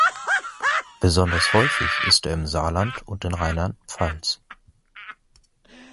Besonders häufig ist er im Saarland und in Rheinland-Pfalz.